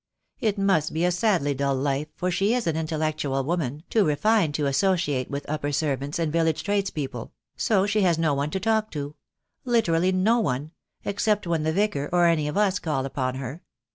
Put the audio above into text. It must be a sadly dull life, for she is an intellectual woman, too refined to associate with upper servants and village tradespeople; so she has no one to talk to — literally no one — except when the Vicar, or any of us call upon her.